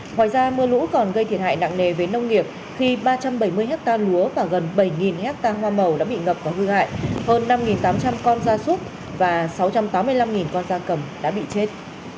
ngoài ra mưa lũ còn gây thiệt hại nặng nề với nông nghiệp khi ba trăm bảy mươi hectare lúa và gần bảy hectare hoa màu đã bị ngập và hư hại hơn năm tám trăm linh con gia súc và sáu trăm tám mươi năm con da cầm đã bị chết